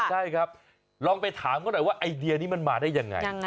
ใช่ครับลองไปถามเขาหน่อยว่าไอเดียนี้มันมาได้ยังไง